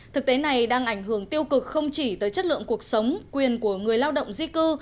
thực tế này đang ảnh hưởng tiêu cực không chỉ tới chất lượng cuộc sống quyền của người lao động di cư